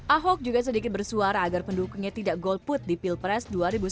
ahok juga sedikit bersuara agar pendukungnya tidak golput di pilpres dua ribu sembilan belas